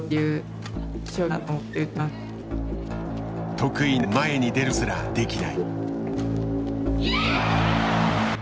得意の前に出ることすらできない。